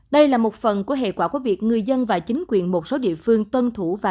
đây là một phần của hệ quả của việc người dân và chính quyền một số địa phương tuân thủ